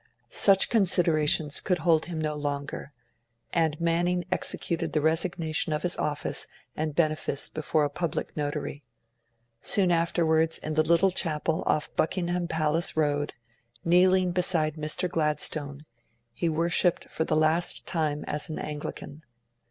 Such considerations could hold him no longer, and Manning executed the resignation of his office and benefice before a public notary. Soon afterwards, in the little Chapel off Buckingham Palace Road, kneeling beside Mr. Gladstone, he worshipped for the last time as an Anglican.